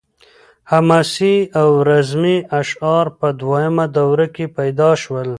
حماسي او رزمي اشعار په دویمه دوره کې پیدا شول.